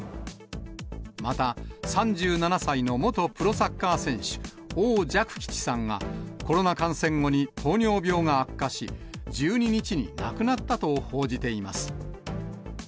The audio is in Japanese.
また、３７歳の元プロサッカー選手、王若吉さんが、コロナ感染後に糖尿病が悪化し、１２日に亡くなったと報じています。